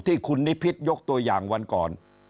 ที่คุณนิพิษยกตัวอย่างวันก่อน